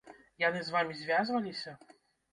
Яны з вамі звязваліся?